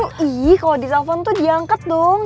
lo tuh iiih kalo di selfon tuh diangkat dong